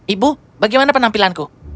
ibu bagaimana penampilanku